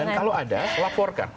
dan kalau ada laporkan